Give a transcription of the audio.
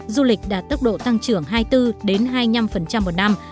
du lịch đạt tốc độ tăng trưởng hai mươi bốn hai mươi năm một năm